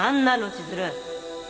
千鶴